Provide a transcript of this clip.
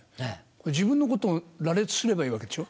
自分のこと羅列すればいいわけでしょ？